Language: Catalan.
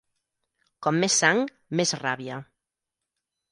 Com més sang, més ràbia.